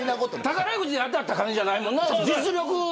宝くじ当たった金じゃないもんな。